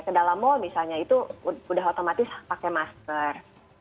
ke dalam mall misalnya itu sudah otomatis pakai masker